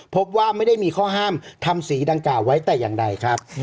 พบว่าไม่ได้มีข้อห้ามทำสีดังกล่าวไว้แต่อย่างใดครับ